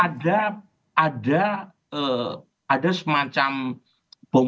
ada ada ada semacam bombokan